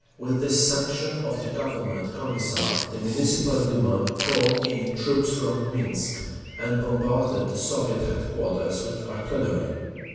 With the sanction of the Government Commissar the Municipal Duma called in troops from Minsk, and bombarded the Soviet headquarters with artillery.